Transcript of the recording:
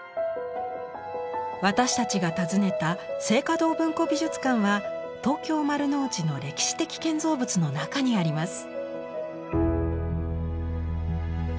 私たちが訪ねた静嘉堂文庫美術館は東京・丸の内の歴史的建造物の中にあります。